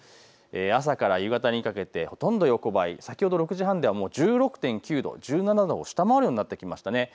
朝から夕方にかけてほとんど横ばい、先ほど６時半では１６．９度、１７度を下回るようになってきました。